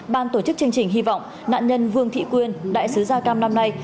ban tổ chức chương trình hy vọng nạn nhân vương thị quyên đại sứ da cam năm nay